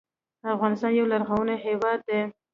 افغانستان یو لرغونی هیواد دی